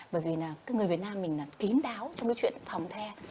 bởi vì là cái người việt nam mình là kín đáo trong cái chuyện phòng the